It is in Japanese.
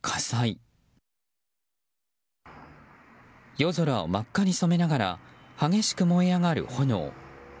夜空を真っ赤に染めながら激しく燃え上がる炎。